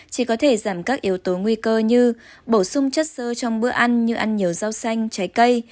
chỉ có thể giảm các yếu tố nguy cơ như bổ sung chất sơ trong bữa ăn như ăn nhiều rau xanh trái cây